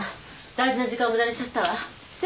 大事な時間を無駄にしちゃったわ。